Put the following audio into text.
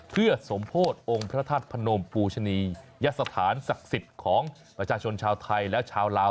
เพื่อสมโพธิ์องค์พระธาตุพนมปูชนียสถานศักดิ์สิทธิ์ของประชาชนชาวไทยและชาวลาว